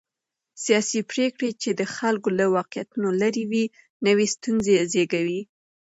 سیاسي پرېکړې چې د خلکو له واقعيتونو لرې وي، نوې ستونزې زېږوي.